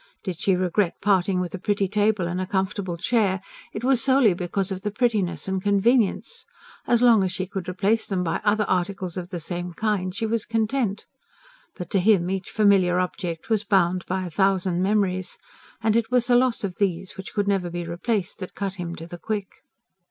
Did she regret parting with a pretty table and a comfortable chair, it was soley because of the prettiness and convenience: as long as she could replace them by other articles of the same kind, she was content. But to him each familiar object was bound by a thousand memories. And it was the loss of these which could never be replaced that cut him to the quick.